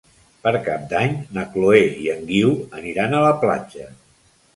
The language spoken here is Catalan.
Per Cap d'Any na Chloé i en Guiu aniran a la platja.